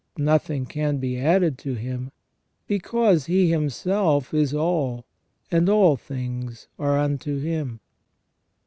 Nothing can be added to Him, because He Himself is all, and all things are unto Him.